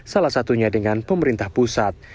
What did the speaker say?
salah satunya dengan pemerintah pusat